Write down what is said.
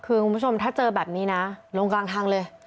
คือคุณผู้ชมถ้าเจอแบบนี้นะลงกลางทางเลย